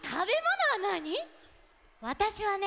わたしはね